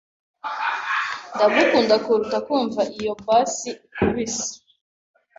Ndagukunda kuruta kumva iyo bass ikubise